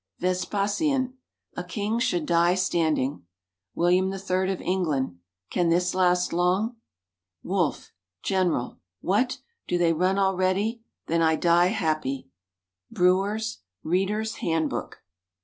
Vespasian. "A king should die standing." William III of England. "Can this last long?" Wolfe, General. "What! do they run already? Then I die happy." Brewer's "Reader's Handbook."